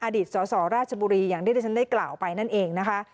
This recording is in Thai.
อดีตสสราชบุรีอย่างที่ที่ฉันได้กล่าวไปนั่นเองนะคะ